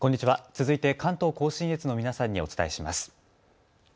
続いて関東甲信越の皆さんにお伝えします。